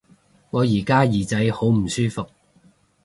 我而家耳仔好唔舒服